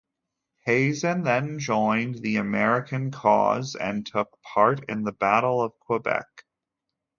Hazen then joined the American cause, and took part in the battle of Quebec.